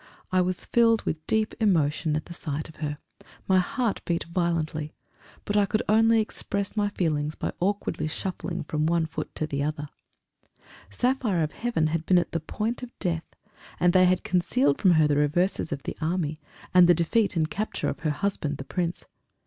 I was filled with deep emotion at the sight of her. My heart beat violently.... But I could only express my feelings by awkwardly shuffling from one foot to the other. Saphire of Heaven had been at the point of death, and they had concealed from her the reverses of the army, and the defeat and capture of her husband, the Prince.